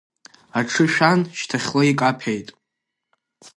Аҽы шәан шьҭахьла икаԥет.